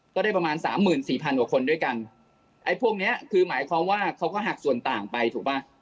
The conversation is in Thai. ก็ได้ประมาณ๓๔๐๐๐บาทคนด้วยกันพวกนี้คือหมายความว่าเขาก็หักส่วนต่างไปถูกป่ะ